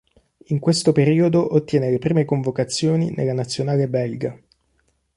In questo periodo ottiene le prime convocazioni nella nazionale belga.